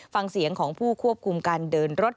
ฟังเสียงของผู้ควบคุมการเดินรถ